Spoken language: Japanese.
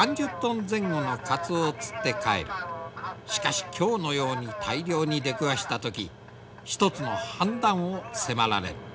しかし今日のように大漁に出くわした時一つの判断を迫られる。